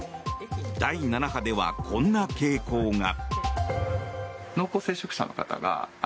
第７波ではこんな傾向が。